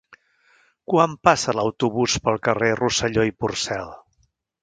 Quan passa l'autobús pel carrer Rosselló i Porcel?